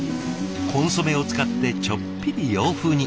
コンソメを使ってちょっぴり洋風に。